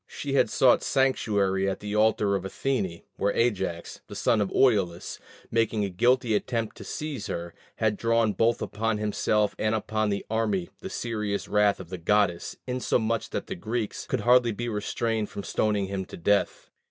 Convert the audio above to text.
She had sought sanctuary at the altar of Athene, where Ajax, the son of Oileus, making a guilty attempt to seize her, had drawn both upon himself and upon the army the serious wrath of the goddess, insomuch that the Greeks could hardly be restrained from stoning him to death.